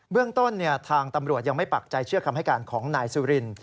เรื่องต้นทางตำรวจยังไม่ปักใจเชื่อคำให้การของนายสุริน